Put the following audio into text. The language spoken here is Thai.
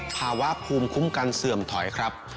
ภาวะภูมิคุ้มกันเสื่อมถอยครับ